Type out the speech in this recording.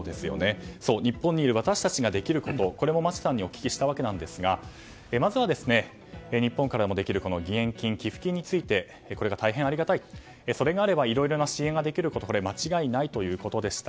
日本にいる私たちができることを町さんにお聞きしたんですがまずは日本からもできる義援金寄付金についてこれが大変ありがたいそれがあればいろいろな支援ができることは間違いないということです。